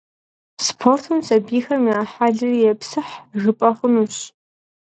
Спортым сабийхэм я хьэлри епсыхь жыпӀэ хъунущ.